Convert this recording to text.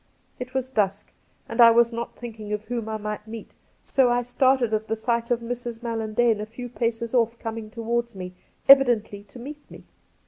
It was dusk, and I was not thinking of whom I might meet, so I started at the sight of Mrs. Mallandane a few paces off coming towards me, evidently to meet me.